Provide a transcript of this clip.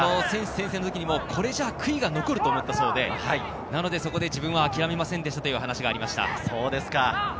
選手宣誓の時にもこれじゃあ悔いが残ると思ったそうで、そこで自分は諦めませんでしたという話がありました。